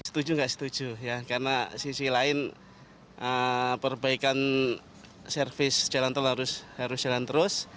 setuju nggak setuju ya karena sisi lain perbaikan servis jalan tol harus jalan terus